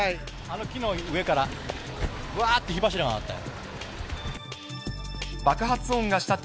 あの木の上からわーっと火柱が上がった。